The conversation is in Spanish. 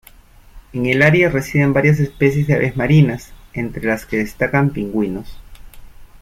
En el área residen varias especies de aves marinas, entre las que destacan pingüinos.